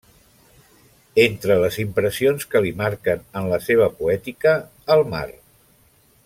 Entre les impressions que li marquen en la seva poètica: el mar.